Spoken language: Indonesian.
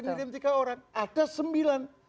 mengirim tiga orang ada sembilan